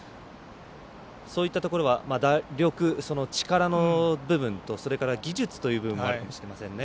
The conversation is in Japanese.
そういったところは打力力の部分と技術の部分もあるかもしれませんね。